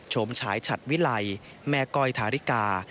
ฉายฉัดวิไลแม่ก้อยทาริกา